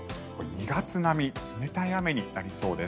２月並み冷たい雨になりそうです。